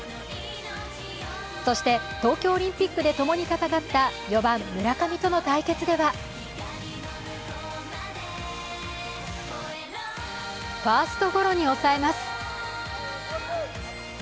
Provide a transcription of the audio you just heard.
そして東京オリンピックで共に戦った４番・村上との対決ではファーストゴロに抑えます。